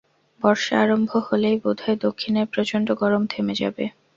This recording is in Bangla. বর্ষা আরম্ভ হলেই বোধ হয় দক্ষিণের প্রচণ্ড গরম থেমে যাবে।